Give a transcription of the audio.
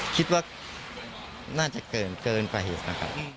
คิดว่าน่าจะเกินกว่าเหตุนะครับ